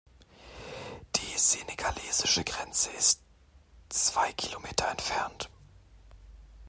Die senegalesische Grenze ist zwei Kilometer entfernt.